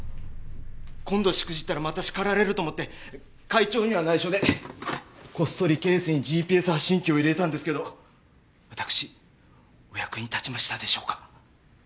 今度しくじったらまた叱られると思って会長には内緒でこっそりケースにＧＰＳ発信機を入れたんですけど私お役に立ちましたでしょうか？